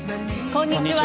こんにちは。